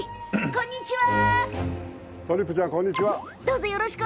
こんにちは。